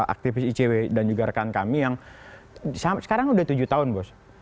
aktivis icw dan juga rekan kami yang sekarang sudah tujuh tahun bos